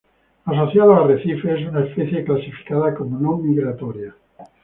Asociado a arrecifes, es una especie clasificada como no migratoria.